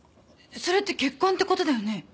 それって結婚ってことだよね？